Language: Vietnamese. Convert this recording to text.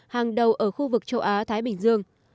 hàng đầu ở khu vực châu á thái bình dương